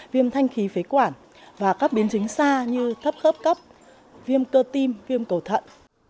viêm thanh khí phế quản và các biến chứng xa như thấp khớp cấp viêm cơ tim viêm cầu thận